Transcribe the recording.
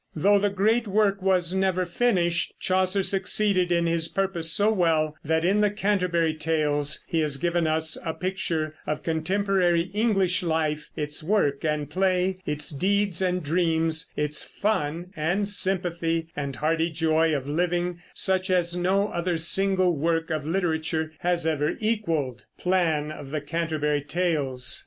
Though the great work was never finished, Chaucer succeeded in his purpose so well that in the Canterbury Tales he has given us a picture of contemporary English life, its work and play, its deeds and dreams, its fun and sympathy and hearty joy of living, such as no other single work of literature has ever equaled. PLAN OF THE CANTERBURY TALES.